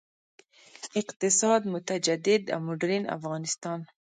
اقتصاد، متجدد او مډرن افغانستان.